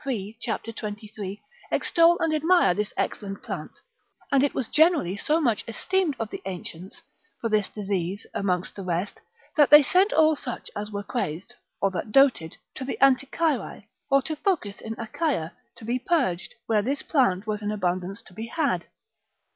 3. cap. 23, extol and admire this excellent plant; and it was generally so much esteemed of the ancients for this disease amongst the rest, that they sent all such as were crazed, or that doted, to the Anticyrae, or to Phocis in Achaia, to be purged, where this plant was in abundance to be had.